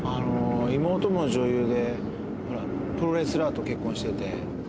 妹も女優でほらプロレスラーと結婚してて。